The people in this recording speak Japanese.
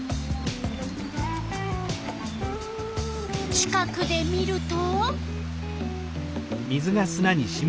近くで見ると？